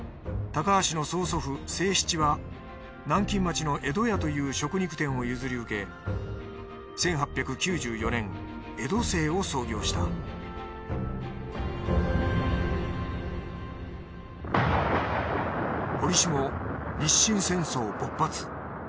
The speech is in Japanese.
高橋の曽祖父清七は南京町の江戸屋という食肉店を譲り受け１８９４年江戸清を創業したおりしも日清戦争勃発。